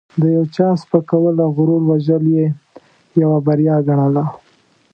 د یو چا سپکول او غرور وژل یې یوه بریا ګڼله.